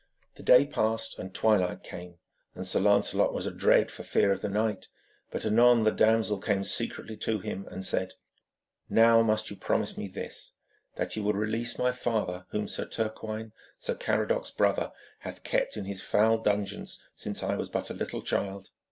The day passed and twilight came, and Sir Lancelot was adread for fear of the night. But anon the damsel came secretly to him and said: 'Now must you promise me this, that you will release my father, whom Sir Turquine, Sir Caradoc's brother, hath kept in his foul dungeons since I was but a little child.